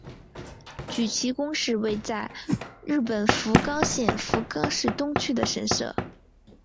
筥崎宫是位在日本福冈县福冈市东区的神社。